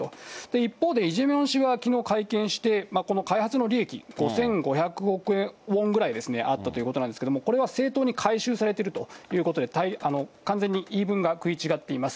一方で、イ・ジェミョン氏側も会見をして、この開発の利益、５５００億ウォンぐらいあったということですけれども、これは正当に回収されているということで、完全に言い分が食い違っています。